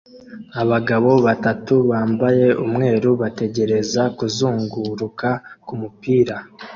Abagabo batatu bambaye umweru bategereza kuzunguruka kumupira